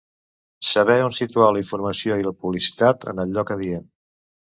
Saber on situar la informació i la publicitat en el lloc adient.